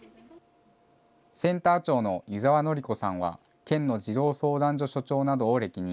センター長の湯澤典子さんは、県の児童相談所所長などを歴任。